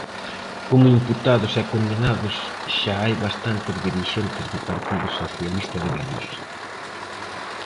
Como imputados e condenados xa hai bastantes dirixentes do Partido Socialista de Galicia.